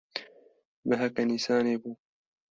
Meheke Nîsanê bû.